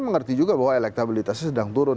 mengerti juga bahwa elektabilitasnya sedang turun